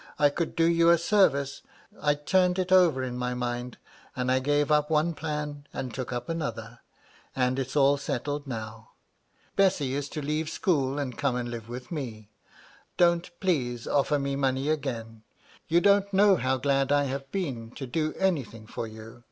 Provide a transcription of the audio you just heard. I could do you a service, I turned it over in my mind, and I gave up one plan and took up another, and it's all settled now. Bessy is to leave MY LADY LUDLOW. * 291 school and come and live with me. Don't, please, offer me money agaia You don't know how glad I have been to do anything for you.